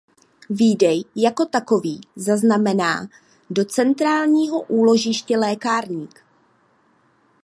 Výdej jako takový zaznamená do Centrálního úložiště lékárník.